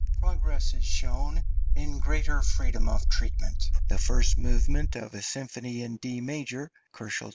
Progress is shown in greater freedom of treatment; the first movement of a Symphony in D major (202 K.)